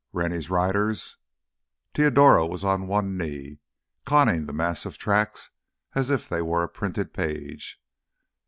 "Rennie's riders?" Teodoro was on one knee, conning the mass of tracks as if they were a printed page.